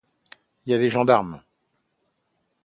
Y a les gendarmes.